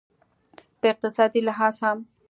په اقتصادي لحاظ هم